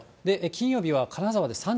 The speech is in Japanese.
金曜日は金沢で３３度。